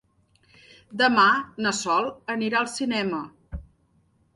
Demà na Sol anirà al cinema.